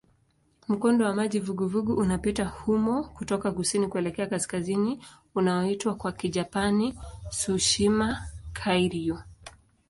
Mkondo wa maji vuguvugu unapita humo kutoka kusini kuelekea kaskazini unaoitwa kwa Kijapani "Tsushima-kairyū".